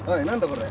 これ。